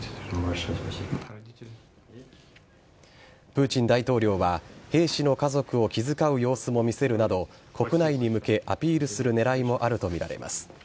プーチン大統領は兵士の家族を気遣う様子も見せるなど国内に向けアピールする狙いもあるとみられます。